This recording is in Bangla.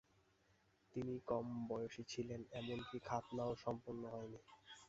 তিনি কম বয়সী ছিলেন এমনকি খাতনাও সম্পন্ন হয় নি।